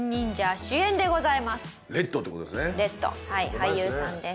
俳優さんです。